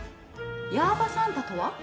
ヤーバサンタとは？